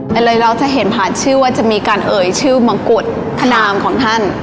แต่เลยเราจะเห็นผ่านชื่อว่าจะมีการเอ่ยชื่อมังกุฎพนามของท่าน